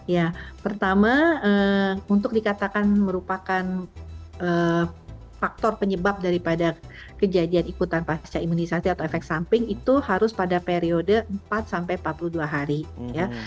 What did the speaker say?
ya pertama untuk dikatakan merupakan faktor penyebab daripada kejadian ikutan pasca imunisasi atau efek samping itu harus pada periode empat sampai empat puluh dua hari ya